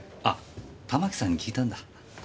あたまきさんに聞いたんだ？